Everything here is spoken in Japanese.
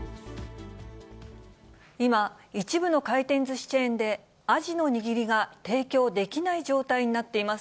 今、一部の回転ずしチェーンで、アジの握りが提供できない状態になっています。